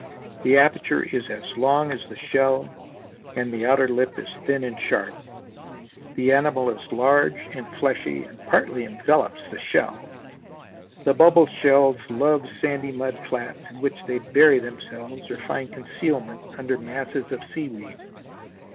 The aperture is as long as the shell and the outer lip is thin and sharp. The animal is large and fleshy and partly envelops the shell. The bubble shells love sandy mud flats in which they bury themselves or find concealment under masses of sea weed.